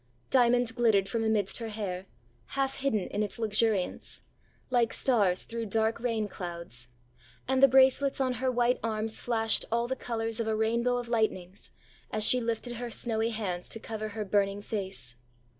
Diamonds glittered from amidst her hair, half hidden in its luxuriance, like stars through dark rain clouds; and the bracelets on her white arms flashed all the colours of a rainbow of lightnings, as she lifted her snowy hands to cover her burning face.